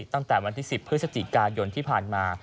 ตั้งแต่วันที่๑๐พฤศจิกายนที่ผ่านมา